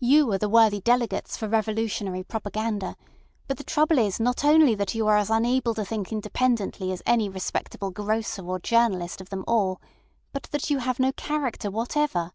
You are the worthy delegates for revolutionary propaganda, but the trouble is not only that you are as unable to think independently as any respectable grocer or journalist of them all, but that you have no character whatever."